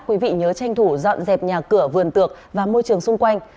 quý vị nhớ tranh thủ dọn dẹp nhà cửa vườn tược và môi trường xung quanh